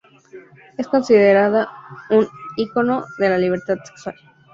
Es considerada un icono de la liberación sexual.